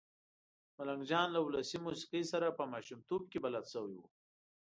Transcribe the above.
ملنګ جان له ولسي موسېقۍ سره په ماشومتوب کې بلد شوی و.